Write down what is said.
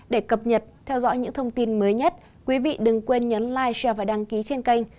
để cập nhật theo dõi những thông tin mới nhất quý vị đừng quên nhấn like serval đăng ký trên kênh